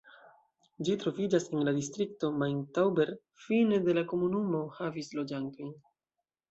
Ĝi troviĝas en la distrikto Main-Tauber Fine de la komunumo havis loĝantojn.